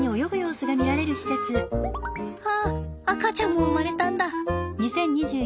あっ赤ちゃんも生まれたんだ。